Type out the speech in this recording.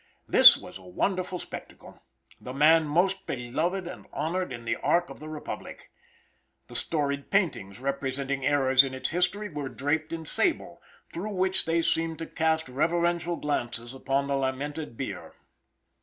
This was a wonderful spectacle, the man most beloved and honored in the ark of the republic. The storied paintings representing eras in its history were draped in sable, through which they seemed to cast reverential glances upon the lamented bier.